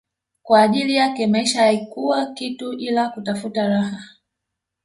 kwa ajili yake maisha haikuwa kitu ila kutafuta raha